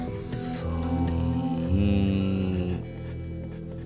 そう。